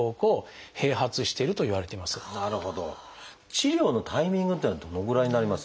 治療のタイミングっていうのはどのぐらいになりますでしょう？